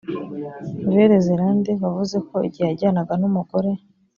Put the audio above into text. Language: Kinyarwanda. velle zelande wavuze ko igihe yajyanaga n umugore